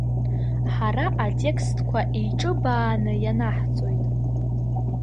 Ҳара атекстқәа еиҿыбааны ианаҳҵоит.